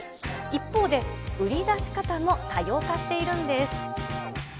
一方で、売り出し方も多様化しているんです。